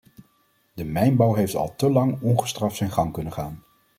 De mijnbouw heeft al te lang ongestraft zijn gang kunnen gaan.